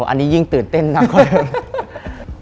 อันนี้ยิ่งตื่นเต้นมากกว่าเดิม